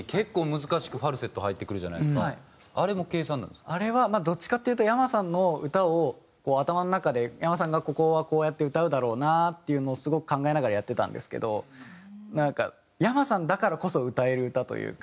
あとあの歌の中にあれはどっちかというとｙａｍａさんの歌を頭の中でｙａｍａさんがここはこうやって歌うだろうなっていうのをすごく考えながらやってたんですけどなんかｙａｍａさんだからこそ歌える歌というか。